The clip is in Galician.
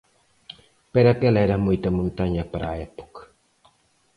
Pero aquela era moita montaña para a época.